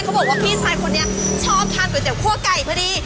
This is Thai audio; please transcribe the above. บอกว่าพี่ชายคนนี้ชอบทานก๋วยเตี๋คั่วไก่พอดี